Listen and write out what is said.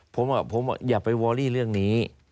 ผมอย่าไปวอรี่เรื่องนี้